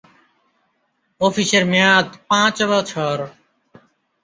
অফিসের মেয়াদ পাঁচ বছর।